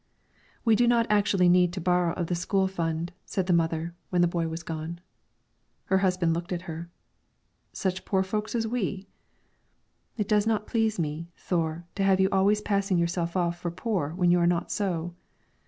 "We do not actually need to borrow of the school fund," said the mother, when the boy was gone. Her husband looked at her. "Such poor folks as we?" "It does not please me, Thore, to have you always passing yourself off for poor when you are not so."